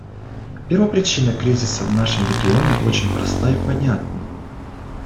Первопричина кризиса в нашем регионе очень проста и понятна.